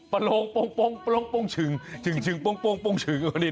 ปะโหลกป่านโพหลชึ่ง